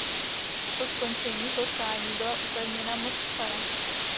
Po skončení povstání byla upevněna moc cara.